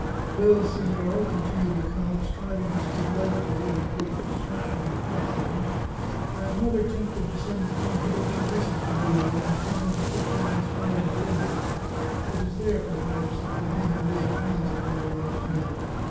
" Well, signora," continued the count, striving to speak lightly, in the hope of distracting her thoughts a little. " I am rather tempted to send a confidential message to Bruno, and tell him to push on as far as Bologna. It is there, perhaps, that they may have laid hands upon our young friend.